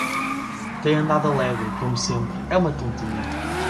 Tem andado alegre, como sempre; é uma tontinha.